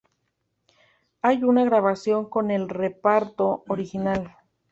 Hay una grabación con el reparto original.